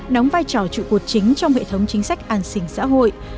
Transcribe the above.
đóng vai trò trụ cột chính trong hệ thống chính sách an sinh xã hội